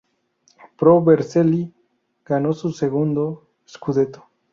Pro Vercelli ganó su segundo "scudetto".